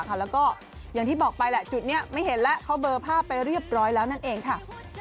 แล้วก็อย่างที่บอกไปแหละจุดนี้ไม่เห็นแล้วเขาเบอร์ภาพไปเรียบร้อยแล้วนั่นเองค่ะ